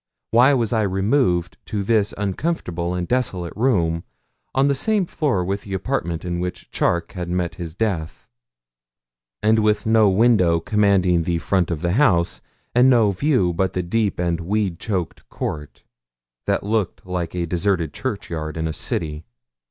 Why was I removed to this uncomfortable and desolate room, on the same floor with the apartment in which Charke had met his death, and with no window commanding the front of the house, and no view but the deep and weed choked court, that looked like a deserted churchyard in a city?